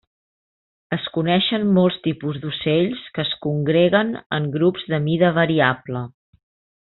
Es coneixen molts tipus d'ocells que es congreguen en grups de mida variable.